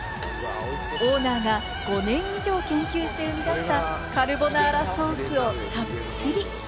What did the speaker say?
オーナーが５年以上研究して編み出したカルボナーラソースをたっぷり。